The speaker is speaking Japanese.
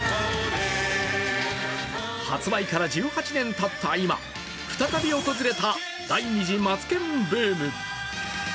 発売から１８年たった今、再び訪れた第２次マツケンブーム。